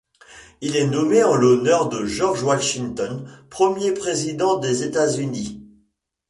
Il est nommé en l'honneur de George Washington, premier président des États-Unis.